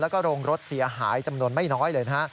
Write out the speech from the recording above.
แล้วก็โรงรถเสียหายจำนวนไม่น้อยเลยนะฮะ